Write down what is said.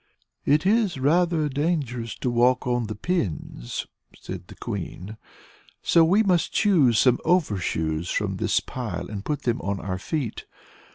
"It is rather dangerous to walk on the pins," said the Queen; "so we must choose some overshoes from this pile and put them on our feet.